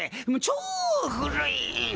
超古い。